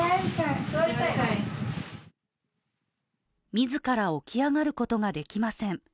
自ら起き上がることができません。